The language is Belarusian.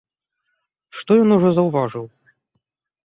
Што ён ужо заўважыў?